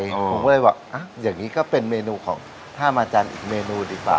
ผมก็เลยบอกอย่างนี้ก็เป็นเมนูของห้าอาจารย์อีกเมนูดีกว่า